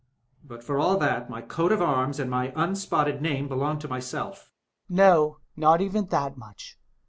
But for all that, my coat of arms and my unspotted name belong to myself. Hummel. No — ^not even that much